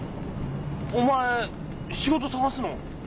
お前仕事探すの？